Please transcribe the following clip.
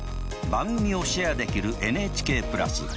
番組をシェアできるＮＨＫプラス。